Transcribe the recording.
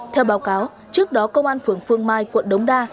theo báo cáo trước đó công an phường phương mai quận đống đa